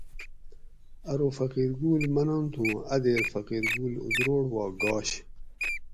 ارو فقیر گل منت ہوں اۤ دیر فقیر گل اتروڑ وا گاش